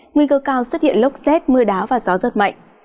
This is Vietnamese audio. nguy cơ cao xuất hiện lốc xét mưa đá và gió giật mạnh